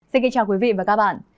xin kính chào quý vị và các bạn